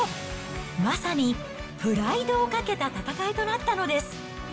まさにプライドをかけた戦いとなったのです。